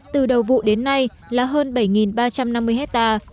từ đầu vụ đến nay là hơn bảy ba trăm năm mươi hectare